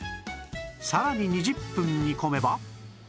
さらに２０分煮込めば